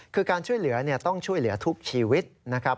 คือการช่วยเหลือต้องช่วยเหลือทุกชีวิตนะครับ